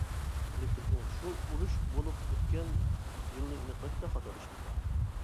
لېكىن ئۇ شۇ ئۇرۇش بولۇپ ئۆتكەن يىلنى ئېنىقلاشتا خاتالىشىپتۇ.